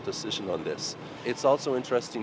và cũng có khả năng